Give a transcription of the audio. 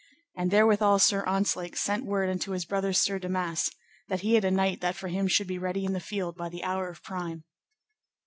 And therewithal Sir Ontzlake sent word unto his brother Sir Damas, that he had a knight that for him should be ready in the field by the hour of prime.